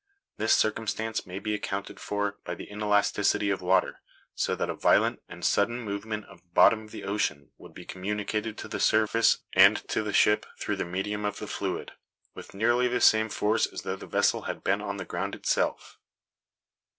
This circumstance may be [Illustration: RUINED CATHEDRAL, LISBON.] accounted for by the inelasticity of water; so that a violent and sudden movement of the bottom of the ocean would be communicated to the surface and to the ship, through the medium of the fluid, with nearly the same force as though the vessel had been on the ground itself.